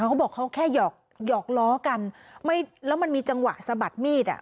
เขาบอกเขาแค่หยอกล้อกันแล้วมันมีจังหวะสะบัดมีด